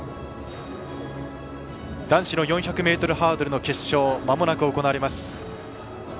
男子の４００ｍハードルの決勝まもなく行われます。